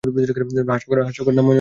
হাস্যকর নাম মনে হচ্ছে?